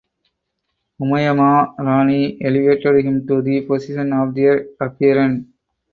Umayamma Rani elevated him to the position of heir apparent.